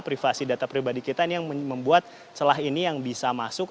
privasi data pribadi kita ini yang membuat celah ini yang bisa masuk